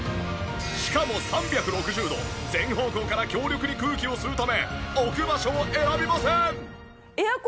しかも３６０度全方向から強力に空気を吸うため置く場所を選びません。